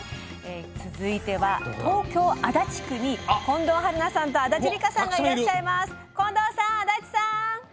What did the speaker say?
続いては東京・足立区に近藤春菜さん、足立梨花さんがいらっしゃいます！